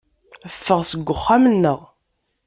Ffeɣ seg uxxam-nneɣ.